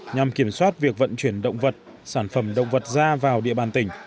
nhằm kiểm soát việc vận chuyển động vật sản phẩm động vật ra vào địa bàn tỉnh